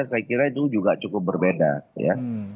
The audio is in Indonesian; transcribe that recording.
saya kira itu juga cukup berbeda ya